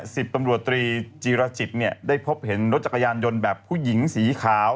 สิบตำรวจตรีจีรจิตเนี่ยได้พบเห็นรถจักรยานยนต์แบบผู้หญิงสีขาว